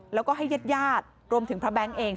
แล้วก็ให้ญาติญาติรวมถึงพระแบงค์เอง